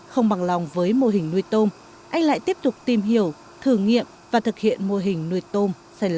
không bằng lòng với mô hình nuôi tôm anh lại tiếp tục tìm hiểu thử nghiệm và thực hiện mô hình nuôi tôm